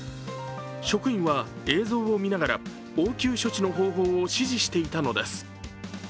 職員は映像を見ながら、応急処置の方法を指示していたのです。